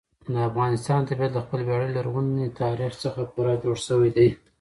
د افغانستان طبیعت له خپل ویاړلي او لرغوني تاریخ څخه پوره جوړ شوی دی.